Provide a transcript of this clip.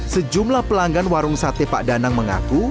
sejumlah pelanggan warung sate pak danang mengaku